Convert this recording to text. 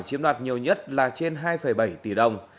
chiếm đoạt nhiều nhất là trên hai bảy tỷ đồng